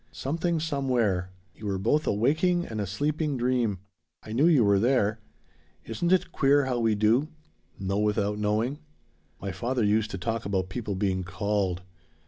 "Something Somewhere. You were both a waking and a sleeping dream. I knew you were there. Isn't it queer how we do know without knowing? My father used to talk about people being 'called.'